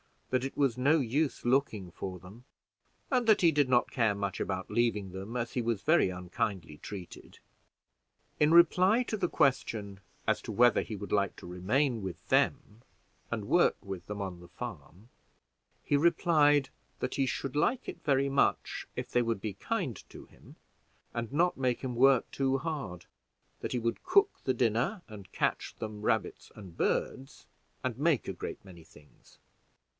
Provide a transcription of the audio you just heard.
That it was no use looking for them; and that he did not care much about leaving them, as he was very unkindly treated. In reply to the question as to whether he would like to remain with them, and work with them on the farm, he replied that he should like it very much if they would be kind to him, and not make him work too hard; that he would cook the dinner, and catch them rabbits and birds, and make a great many things.